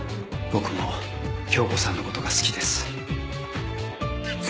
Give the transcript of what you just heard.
僕も響子さんのことが好きです。